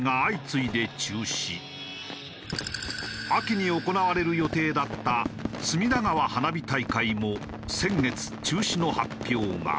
秋に行われる予定だった隅田川花火大会も先月中止の発表が。